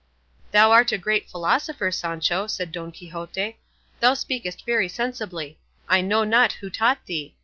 "Thou art a great philosopher, Sancho," said Don Quixote; "thou speakest very sensibly; I know not who taught thee.